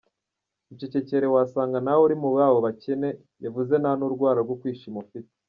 icecekere wasanga nawe uri muri abo bakene yavuze nta nurwara rwo kwishima ufite !!